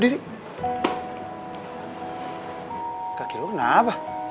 udah sekarang aku makan